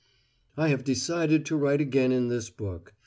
. "I have decided to write again in this book.